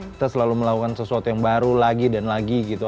kita selalu melakukan sesuatu yang baru lagi dan lagi gitu